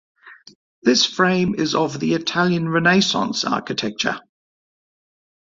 This frame is of the Italian Renaissance architecture.